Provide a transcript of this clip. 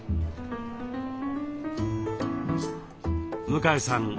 向江さん